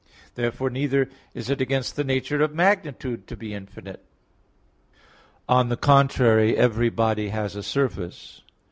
Therefore neither is it against the nature of magnitude to be infinite. On the contrary, Every body has a surface.